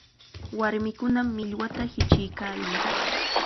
Warmikunam millwata hichiykaayan.